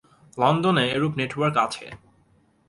লন্ডনে এরুপ নেটওয়ার্ক আছে।